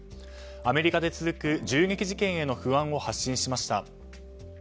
アメリカで続く銃撃事件への不安を発信しました。